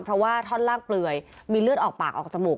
เพราะว่าท่อนล่างเปลือยมีเลือดออกปากออกจมูก